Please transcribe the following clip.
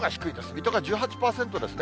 水戸が１８％ですね。